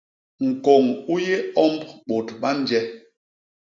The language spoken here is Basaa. Ñkôñ u yé omb bôt ba nje.